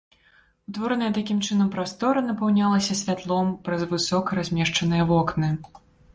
Утвораная такім чынам прастора напаўнялася святлом праз высока размешчаныя вокны.